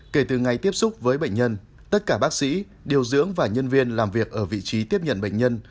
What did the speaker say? kể từ ngày tiếp xúc với bệnh nhân tất cả bác sĩ điều dưỡng và nhân viên làm việc ở vị trí tiếp nhận bệnh nhân